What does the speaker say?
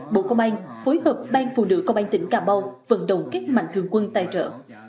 bộ công an phối hợp ban phụ nữ công an tỉnh cà mau vận động các mạnh thường quân tài trợ